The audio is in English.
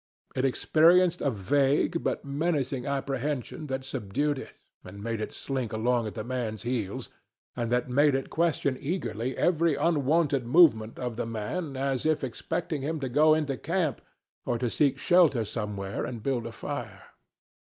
It experienced a vague but menacing apprehension that subdued it and made it slink along at the man's heels, and that made it question eagerly every unwonted movement of the man as if expecting him to go into camp or to seek shelter somewhere and build a fire.